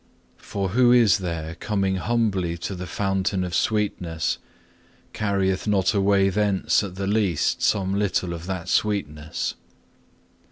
For who is there coming humbly to the fountain of sweetness, carrieth not away thence at the least some little of that sweetness?